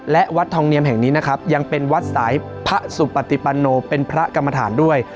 และวัดทองเนียมแห่งนี้นะครับยังเป็นวัดสายพระสุปติปันโนเป็นพระกรรมฐานด้วย